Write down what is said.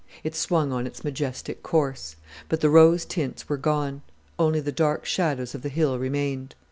It swung on its majestic course, but the rose tints were gone; only the dark shadows of the hill remained.